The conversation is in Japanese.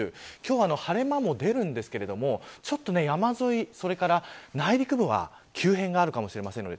今日は晴れ間も出ますが山沿い、それに内陸部は急変があるかもしれません。